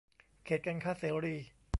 เขตการค้าเสรี